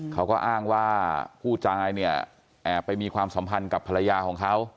เขาก็อ้างว่าผู้ตายเนี่ยแอบไปมีความสัมพันธ์กับภรรยาของเขา